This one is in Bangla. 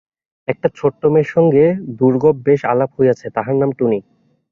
একটি ছোট্ট মেয়ের সঙ্গে দুর্গােব বেশ আলাপ হইয়াছে, তাহার নাম টুনি।